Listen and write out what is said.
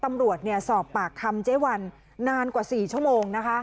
ตำรวจสอบปากคำเจ๊วันนานกว่า๔ชั่วโมงนะคะ